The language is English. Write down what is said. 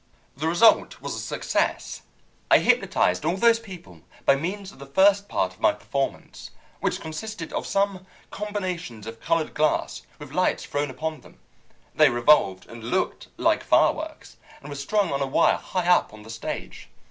The result was a success. I hypnotized all those people by means of the first part of my performance, which consisted of some combinations of colored glass with lights thrown upon them. They revolved, and looked like fireworks, and were strung on a wire high up on the stage.